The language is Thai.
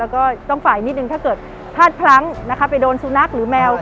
แล้วก็ต้องฝ่ายนิดนึงถ้าเกิดพลาดพลั้งนะคะไปโดนสุนัขหรือแมว